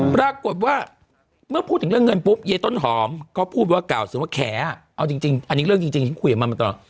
ปรากฏว่าเมื่อพูดถึงเรื่องเงินปุ๊บยายต้นหอมก็พูดว่ากล่าวถึงว่าแขเอาจริงอันนี้เรื่องจริงฉันคุยกับมันมาตลอด